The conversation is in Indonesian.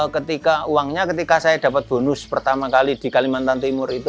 ketika uangnya ketika saya dapat bonus pertama kali di kalimantan timur itu